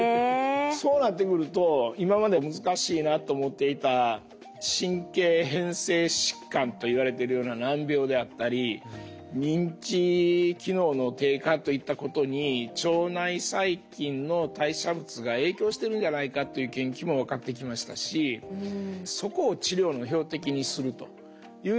そうなってくると今まで難しいなと思っていた神経変性疾患といわれてるような難病であったり認知機能の低下といったことに腸内細菌の代謝物が影響してるんじゃないかという研究も分かってきましたし腸だけじゃないんですね。